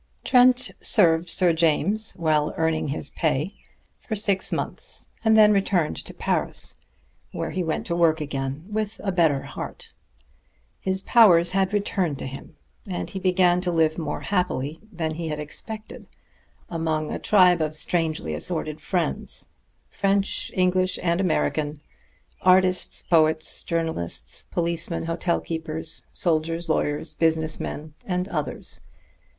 Trent served Sir James, well earning his pay, for six months, and then returned to Paris, where he went to work again with a better heart. His powers had returned to him, and he began to live more happily than he had expected among a tribe of strangely assorted friends, French, English and American, artists, poets, journalists, policemen, hotel keepers, soldiers, lawyers, business men and others.